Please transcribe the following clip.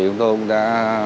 chúng tôi cũng đã